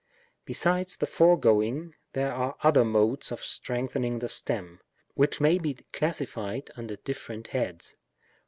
Besides the foregoing, there are other modes of strengthening the stem, which may be classified under diflterent heads.